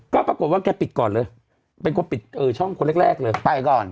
ก็ปรากฏว่าแกปิดก่อนเลยเป็นคนปิดช่องคนแรกเลยไปก่อน